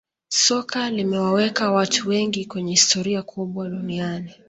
soka limewaweka watu wengi kwenye historia kubwa duniani